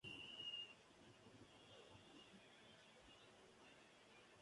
El barrio cuenta con tres Centros de Educación Infantil y Primaria.